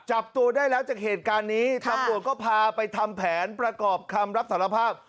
จับตัวได้แล้วจากเหตุการณ์นี้ตำรวจก็พาไปทำแผนประกอบคำรับสารภาพ